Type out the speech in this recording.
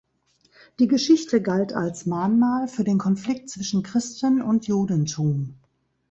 Die Geschichte galt als Mahnmal für den Konflikt zwischen Christen- und Judentum.